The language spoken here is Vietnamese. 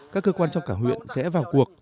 các cơ quan trong cả huyện sẽ vào cuộc